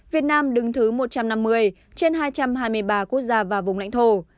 việt nam đứng thứ một trăm năm mươi trên hai trăm hai mươi ba quốc gia và vùng lãnh thổ